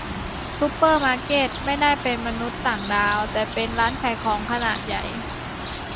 ซูเปอร์มาร์เก็ต ไม่ได้เป็นมนุษย์ต่างดาว แต่เป็นร้านขายของขนาดใหญ่